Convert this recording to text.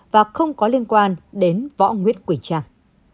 và không có liên quan đến võ nguyễn quỳnh trang